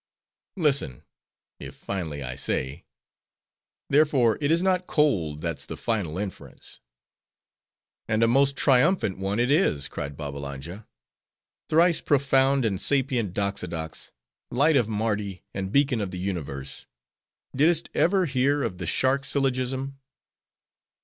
Listen:—if finally, I say,—Therefore it is not cold that's the final inference." "And a most triumphant one it is!" cried Babbalanja. "Thrice profound, and sapient Doxodox! Light of Mardi! and Beacon of the Universe! didst ever hear of the Shark Syllogism?"